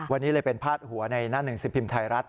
วันนี้เลยเป็นพาดหัวในหน้าหนึ่งสิบพิมพ์ไทยรัฐ